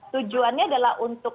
tujuannya adalah untuk